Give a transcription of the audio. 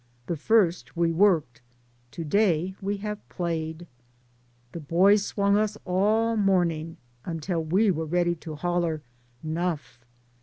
The first we worked, to day we have played. The boys swung us all morning, until we were ready to "holler nuff."